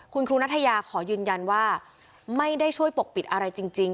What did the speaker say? คุณครูนัทยาขอยืนยันว่าไม่ได้ช่วยปกปิดอะไรจริง